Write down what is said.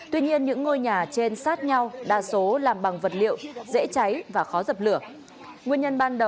tuy nhiên những ngôi nhà trên sát nhau đa số làm bằng vật liệu dễ cháy và khó dập lửa